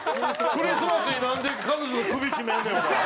クリスマスになんで彼女の首絞めんねんお前。